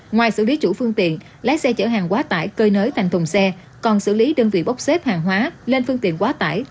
ngoài xử lý chủ phương tiện lái xe chở hàng quá tải cơi nới thành thùng xe còn xử lý đơn vị bốc xếp hàng hóa lên phương tiện quá tải